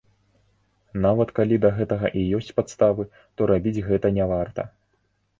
Нават калі да гэтага і ёсць падставы, то рабіць гэта не варта.